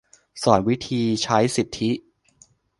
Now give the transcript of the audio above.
สอนวิธีใช้สิทธิ